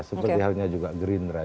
seperti halnya juga gerindra